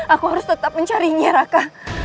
aku harus tetap mencarinya raka